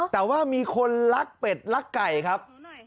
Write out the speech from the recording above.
แต่ว่ามีคนรักเป็ดรักไก่ครับ